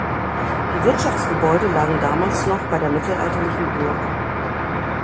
Die Wirtschaftsgebäude lagen damals noch bei der mittelalterlichen Burg.